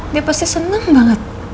dia pasti seneng banget